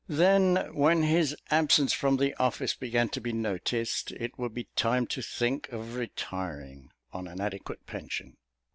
Then, when his absence from the office began to be noticed, it would be time to think of retiring on an adequate pension.